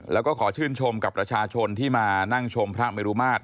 แล้วก็ขอชื่นชมกับประชาชนที่มานั่งชมพระเมรุมาตร